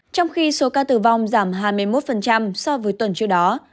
trong khi số ca tử vong giảm hai mươi một so với tuần trước đó